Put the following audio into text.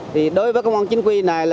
thì đối với công an chính quy này